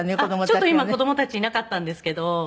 ちょっと今子供たちいなかったんですけど。